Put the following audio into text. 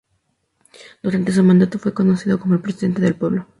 Durante su mandato fue conocido como el "presidente del pueblo".